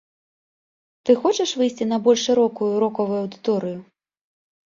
Ты хочаш выйсці на больш шырокую рокавую аўдыторыю?